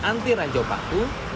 anti ranjau paku